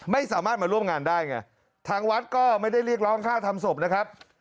ไม่สามารถมาร่วมงานได้ไงทางวัดก็ไม่ได้เรียกร้องค่าทำศพนะครับ